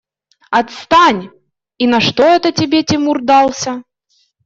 Отстань! И на что это тебе Тимур дался?